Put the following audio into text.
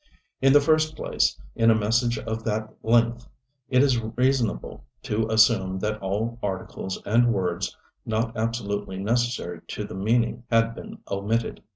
In the first place, in a message of that length it is reasonable to assume that all articles and words not absolutely necessary to the meaning had been omitted.